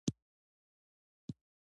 کندز سیند د افغانانو د معیشت سرچینه ده.